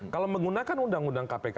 kalau menggunakan undang undang kpk